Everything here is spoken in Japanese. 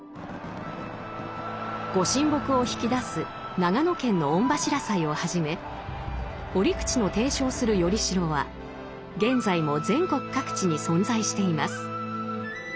御神木を曳き出す長野県の御柱祭をはじめ折口の提唱する依代は現在も全国各地に存在しています。